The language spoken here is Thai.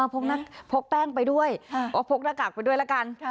พกแป้งไปด้วยพกหน้ากากไปด้วยละกัน